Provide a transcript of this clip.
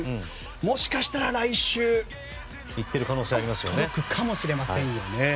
もしかしたら来週届くかもしれませんよね。